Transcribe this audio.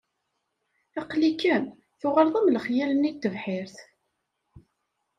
Aql-ikem tuɣaleḍ am lexyal-nni n tebḥirt.